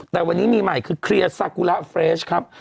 แต่วันนี้มีใหม่คือเคลียร์ซากุระเฟรชครับ